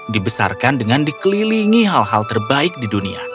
dibesarkan dengan dikelilingi hal hal terbaik di dunia